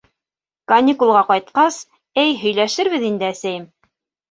Каникулға ҡайтҡас, эй һөйләшербеҙ инде, әсәйем.